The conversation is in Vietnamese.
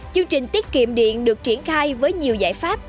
chương trình tiết kiệm điện được triển khai với nhiều giải pháp